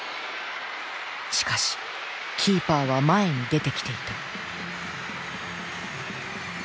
しかしキーパーは前に出てきていた。